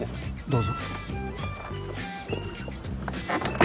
どうぞ。